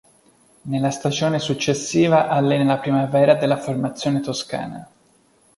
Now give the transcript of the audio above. Nella stagione successiva allena la Primavera della formazione toscana.